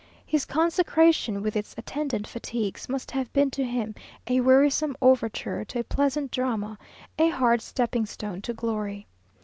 His consecration, with its attendant fatigues, must have been to him a wearisome overture to a pleasant drama, a hard stepping stone to glory.